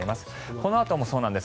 このあともそうなんです。